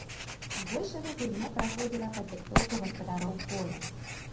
Збольшага гульня праходзіла пад дыктоўку гаспадароў поля.